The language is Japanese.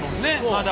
まだ。